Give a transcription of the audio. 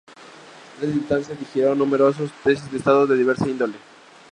En esta instancia, dirigió numerosas tesis de Estado de diversa índole.